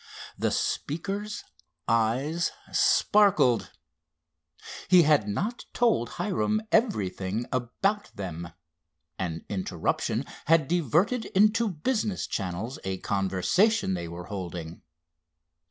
The speaker's eyes sparkled. He had not told Hiram everything about them—an interruption had diverted into business channels a conversation they were holding.